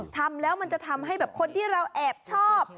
ทำแล้วมันจะทำให้แบบคนที่เราแอบชอบ